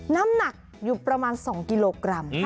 น้ำหนักอยู่ประมาณ๒กิโลกรัม